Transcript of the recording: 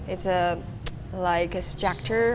itu seperti struktur